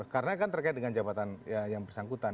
karena kan terkait dengan jabatan yang bersangkutan